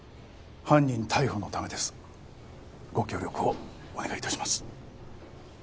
犯人逮捕のためですご協力をお願いいたします